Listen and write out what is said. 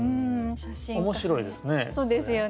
面白いですね。